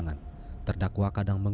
yang berada di dalam maupun luar negeri